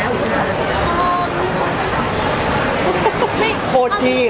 เราได้มีโอกาสเข้าไปจัดการคำแนงก็เป็นประสบการณ์ที่ดี